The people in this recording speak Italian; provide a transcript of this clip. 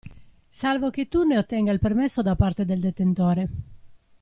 Salvo che tu ne ottenga il permesso da parte del detentore.